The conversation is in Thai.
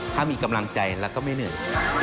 ถ้ามีกำลังใจแล้วก็ไม่เหนื่อย